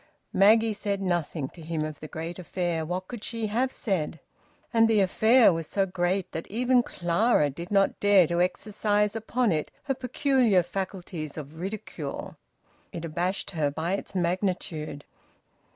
Maggie said nothing to him of the great affair. What could she have said? And the affair was so great that even Clara did not dare to exercise upon it her peculiar faculties of ridicule. It abashed her by its magnitude.